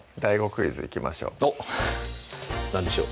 クイズいきましょうおっ何でしょう？